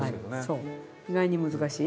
そう意外に難しい。